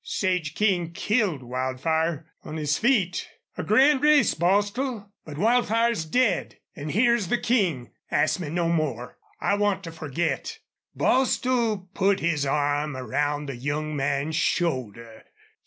"Sage King killed Wildfire on his feet.... A grand race, Bostil! ... But Wildfire's dead an' here's the King! Ask me no more. I want to forget." Bostil put his arm around the young man's shoulder.